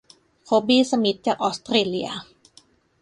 โคบี้ สมิธ จากออสเตรเลีย